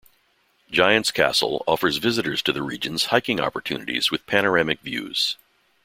Giants Castle offers visitors to the regions hiking opportunities with panoramic views.